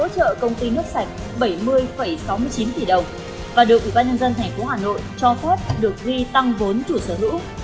hỗ trợ công ty nước sạch bảy mươi sáu mươi chín tỷ đồng và được ủy ban nhân dân tp hà nội cho phép được ghi tăng vốn chủ sở hữu